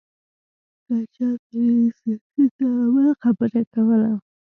که چاته دې د سیاسي تحمل خبره کوله.